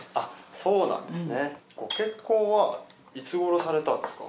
そうなんですね。